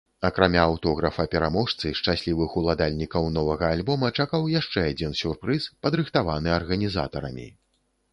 Акрамя аўтографа пераможцы шчаслівых уладальнікаў новага альбома чакаў яшчэ адзін сюрпрыз, падрыхтаваны арганізатарамі.